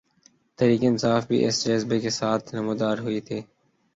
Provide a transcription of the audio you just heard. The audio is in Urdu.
تحریک انصاف بھی اسی جذبے کے ساتھ نمودار ہوئی تھی۔